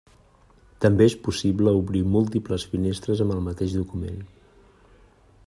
També és possible obrir múltiples finestres amb el mateix document.